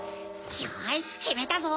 よしきめたぞ！